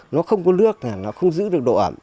nó không có lước là nó không giữ được độ ẩm